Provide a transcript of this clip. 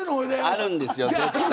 あるんですよ絶対。